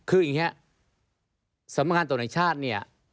คืออย่างนี้สำหรับตัวในชาติเนี่ย